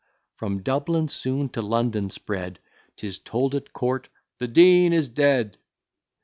From Dublin soon to London spread, 'Tis told at court, "the Dean is dead."